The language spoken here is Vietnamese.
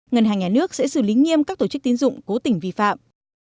ngân hàng nhà nước sẽ xử lý nghiêm các tổ chức tín dụng cố tình vi phạm